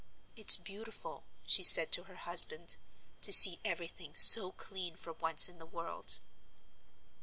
"It's beautiful," she said to her husband, "to see everything so clean for once in the world."